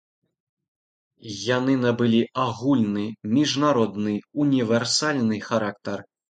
Яны набылі агульны, міжнародны, універсальны характар.